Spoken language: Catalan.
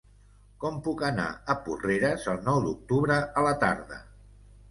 Com puc anar a Porreres el nou d'octubre a la tarda?